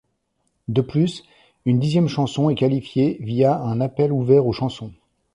De plus, une dixième chanson est qualifié via un appel ouvert aux chansons.